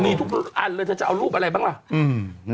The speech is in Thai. มีทุกอันเลยเธอจะเอารูปอะไรบ้างล่ะ